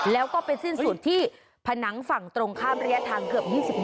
แล้วก็ไปสิ้นสุดที่ผนังฝั่งตรงข้ามระยะทางเกือบ๒๐